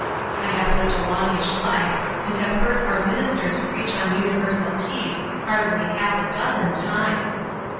I have lived a longish life and have heard our ministers preach on universal peace hardly half a dozen times.